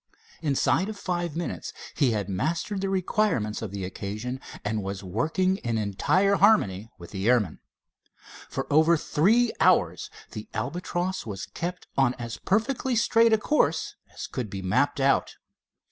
Inside of five minutes he had mastered the requirements of the occasion and was working in entire harmony with the airman. For over three hours the Albatross was kept on as perfectly straight a course as could be mapped out.